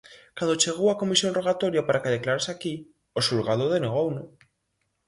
Cando chegou a comisión rogatoria para que declarase aquí, o xulgado denegouno.